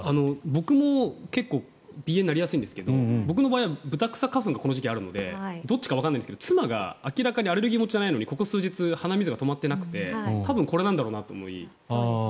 僕も結構、鼻炎になりやすいんですけど僕の場合はブタクサ花粉がこの時期あるのでどっちかわからないんですが妻が明らかにアレルギー持ちじゃないのにここ数日鼻水が止まっていなくて多分これなんだろうなと思います。